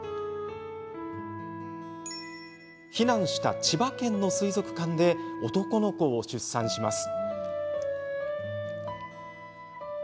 避難した千葉県の水族館で男の子を出産します。